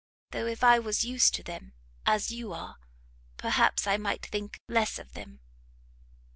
though if I was used to them, as you are, perhaps I might think less of them."